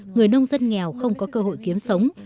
người nông dân nghèo không có cơ hội kiếm sống